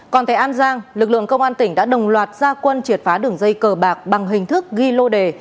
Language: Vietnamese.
còn tại an giang lực lượng công an tỉnh đã đồng loạt gia quân triệt phá đường dây cờ bạc bằng hình thức ghi lô đề